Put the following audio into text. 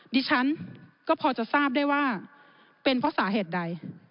ดิฉันก็พอจะทราบได้ว่าเป็นเพราะสาเหตุใด